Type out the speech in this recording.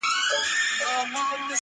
د میني مخ د وینو رنګ پرېولی!!